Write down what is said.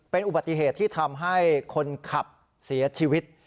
เป็นอุบัติเหตุที่ทำให้คนขับเสียชีวิต